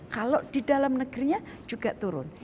kalau di dalam negerinya juga turun